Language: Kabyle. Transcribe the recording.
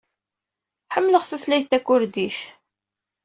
Ḥemmleɣ tutlayt takurdit.